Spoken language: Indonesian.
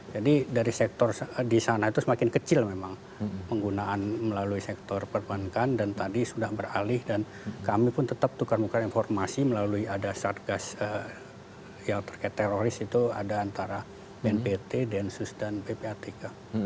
jadi dari sektor di sana itu semakin kecil memang penggunaan melalui sektor perbankan dan tadi sudah beralih dan kami pun tetap tukar muka informasi melalui ada sargas yang terkait teroris itu ada antara bnpt densus dan ppatk